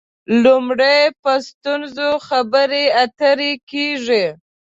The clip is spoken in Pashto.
لومړی په ستونزو خبرې اترې کېږي.